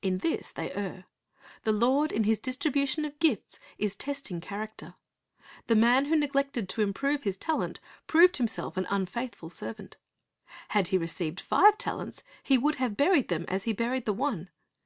In this they err. The Lord in His distribution of gifts is testing character. The man who neglected to improve his talent proved himself an unfaithful servant. Had he received five talents, he would have buried them as he buried the one.